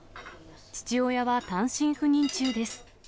父親は単身赴任中です。